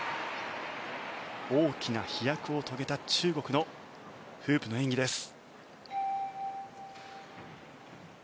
大きな飛躍を遂げた中国のフープの演技です。